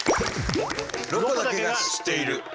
「ロコだけが知っている」。